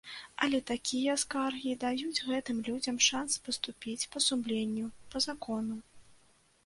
Але такія скаргі даюць гэтым людзям шанс паступіць па сумленню, па закону.